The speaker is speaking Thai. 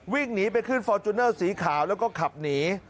วิ่งหนีไปขึ้นฟอร์จูเนอร์สีขาวแล้วก็ขับหนี